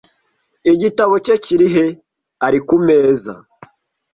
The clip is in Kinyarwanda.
"Igitabo cye kiri he?" "Ari ku meza."